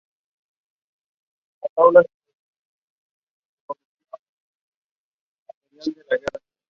Realizó sus comienzos en el teatro y la radio, donde integró muchos radioteatros.